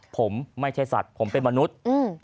ผมไม่ใช่สัตว์ผมเป็นมนุษย์